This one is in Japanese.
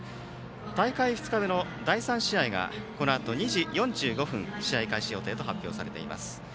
大会２日目の第３試合はこのあと２時４５分試合開始予定と発表されています。